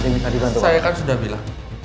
saya kan sudah bilang